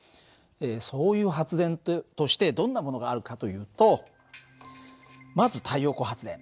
そういう発電としてどんなものがあるかというとまず太陽光発電。